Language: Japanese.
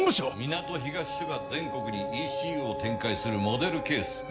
港東署が全国にＥＣＵを展開するモデルケース。